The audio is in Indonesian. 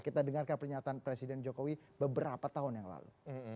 kita dengarkan pernyataan presiden jokowi beberapa tahun yang lalu